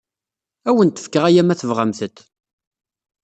Ad awent-fkeɣ aya ma tebɣamt-t.